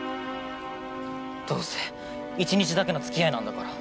どうせ１日だけのつきあいなんだから！